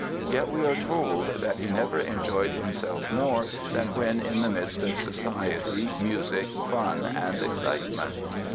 Yet we are told that "he never enjoyed himself more than when in the midst of society, music, fun and excitement".